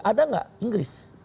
ada gak inggris